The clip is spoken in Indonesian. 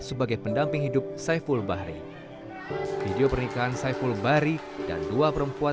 sebagai pendamping hidup saiful bahri video pernikahan saiful bahri dan dua perempuan